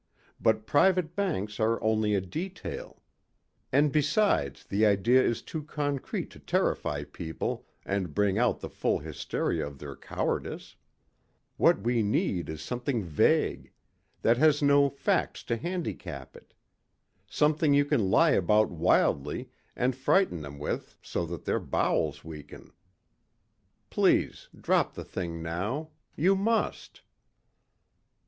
But private banks are only a detail. And besides the idea is too concrete to terrify people and bring out the full hysteria of their cowardice. What we need is something vague that has no facts to handicap it. Something you can lie about wildly and frighten them with so that their bowels weaken. Please, drop the thing now. You must...."